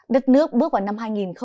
đất nước bước vào năm hai nghìn hai mươi